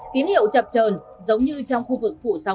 tín hiệu chập trờn